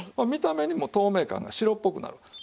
見た目にも透明感が白っぽくなる。